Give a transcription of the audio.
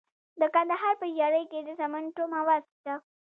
د کندهار په ژیړۍ کې د سمنټو مواد شته.